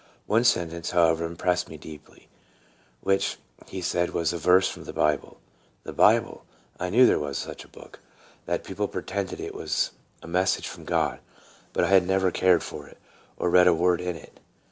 One sentence, however, impressed me deeply, which he said was a verse from the Bible. The Bible ! I knew there was such a book, THE LOST SHEEP FOUND. 19 that people pretended it was a message from God; but I had never cared for it, or read a word in it.